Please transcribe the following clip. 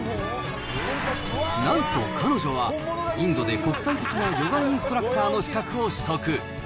なんと、彼女はインドで国際的なヨガインストラクターの資格を取得。